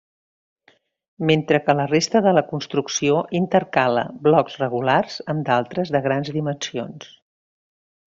Mentre que la resta de la construcció intercala blocs regulars amb d'altres de grans dimensions.